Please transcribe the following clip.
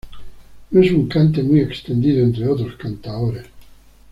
No es un cante muy extendido entre otros cantaores.